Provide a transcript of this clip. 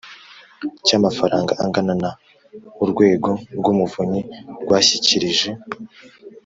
cy amafaranga angana na Urwego rw Umuvunyi rwashyikirije